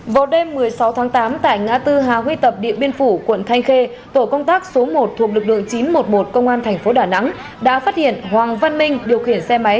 vào đêm một mươi sáu tháng tám tại ngã tư hà huy tập địa biên phủ quận thanh khê tổ công tác số một thuộc lực lượng chín trăm một mươi một công an tp đà nẵng đã phát hiện hoàng văn minh điều khiển xe máy